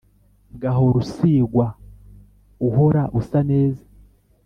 gahore usigwa uhora usa neza